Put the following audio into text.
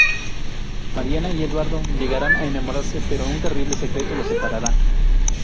Mariana y Eduardo llegarán a enamorarse, pero un terrible secreto los separará.